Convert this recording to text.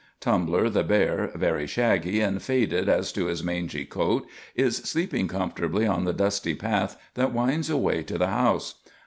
Tumbler the bear, very shaggy and faded as to his mangy coat, is sleeping comfortably on the dusty path that winds away to the house.